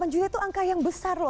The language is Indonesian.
delapan juta itu angka yang besar loh